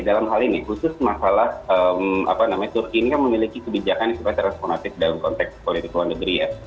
dalam hal ini khusus masalah apa namanya turkiyanya memiliki kebijakan yang super transparansif dalam konteks politik luar negeri ya